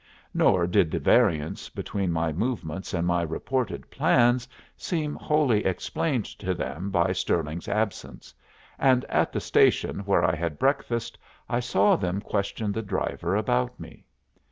Nor did the variance between my movements and my reported plans seem wholly explained to them by Stirling's absence, and at the station where I had breakfasted I saw them question the driver about me.